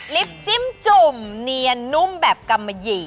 จิ้มจุ่มเนียนนุ่มแบบกำมะหยี่